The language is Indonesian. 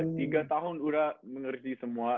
tiga tahun udah mengerti semua